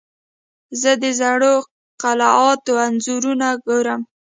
زه د زړو قلعاتو انځورونه ګورم.